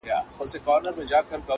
خدایه د شپېتو بړېڅو ټولي سوې کمبلي٫